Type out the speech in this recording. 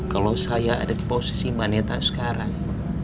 kalau saya ada di posisi mbak neta sekarang